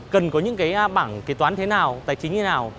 cần có những cái bảng kế toán thế nào tài chính như thế nào